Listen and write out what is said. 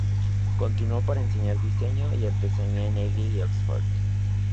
Continuó para enseñar diseño y artesanía en Ely y Oxford.